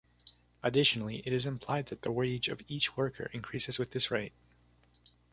Additionally, it is implied that the wage of each worker increases with this rate.